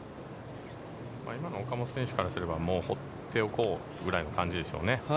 今の岡本選手からすればほっておこうぐらいの感じでしょうね。